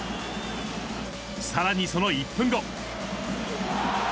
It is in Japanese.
さらにその１分後。